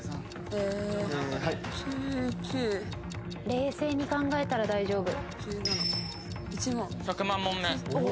冷静に考えたら大丈夫。